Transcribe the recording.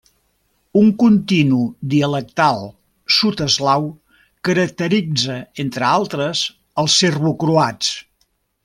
Un continu dialectal sud eslau caracteritza entre altres al serbocroat.